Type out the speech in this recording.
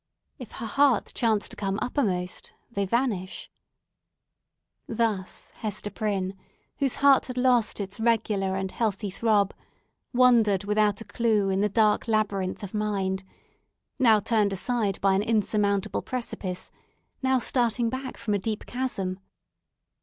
If her heart chance to come uppermost, they vanish. Thus Hester Prynne, whose heart had lost its regular and healthy throb, wandered without a clue in the dark labyrinth of mind; now turned aside by an insurmountable precipice; now starting back from a deep chasm.